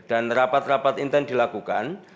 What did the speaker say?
dan rapat rapat inten dilakukan